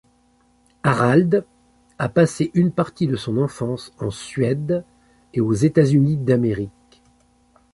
Harald a passé une partie de son enfance en Suède et aux États-Unis d’Amérique.